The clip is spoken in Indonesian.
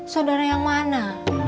saudara yang mana